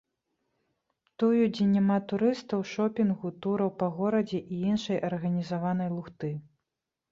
Тую, дзе няма турыстаў, шопінгу, тураў па горадзе і іншай арганізаванай лухты.